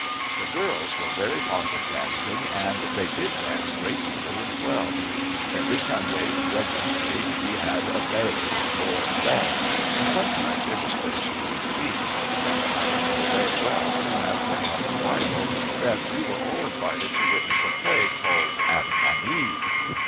The girls were very fond of dancing, and they did dance gracefully and well. Every Sunday, regularly, we had a baile, or dance, and sometimes interspersed through the week. I remember very well, soon after our arrival, that we were all invited to witness a play called "Adam and Eve."